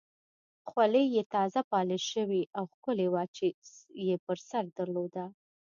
خولۍ یې تازه پالش شوې او ښکلې وه چې یې پر سر درلوده.